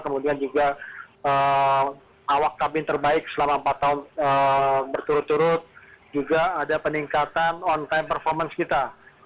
kemudian juga awak kabin terbaik selama empat tahun berturut turut juga ada peningkatan on time performance kita